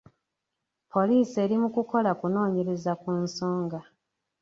Poliisi eri mu kukola kunoonyeraza ku nsonga.